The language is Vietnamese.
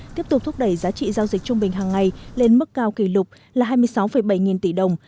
tiếp tục thúc đẩy giá trị giao dịch trung bình hàng ngày lên mức cao kỷ lục là hai mươi sáu bảy nghìn tỷ đồng